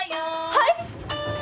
はい！？